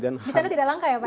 di sana tidak langka ya pak